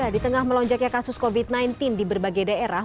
di tengah melonjaknya kasus covid sembilan belas di berbagai daerah